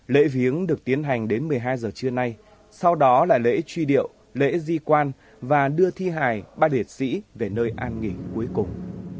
lễ viếng được tiến hành đến một mươi hai giờ trưa nay sau đó là lễ truy điệu lễ di quan và đưa thi hài ba liệt sĩ về nơi an nghỉ cuối cùng